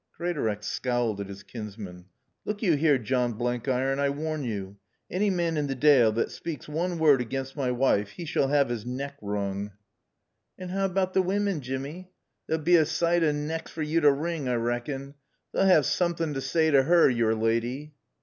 Greatorex scowled at his kinsman. "Look yo' 'ere, John Blenkiron, I warn yo'. Any man in t' Daale thot speaaks woon word agen my wife 'e s'all 'ave 'is nack wroong." "An' 'ow 'bout t' women, Jimmy? There'll bae a sight o' nacks fer yo' t' wring, I rackon. They'll 'ave soomat t' saay to 'er, yore laady."